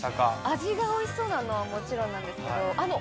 味が美味しそうなのはもちろんなんですけど。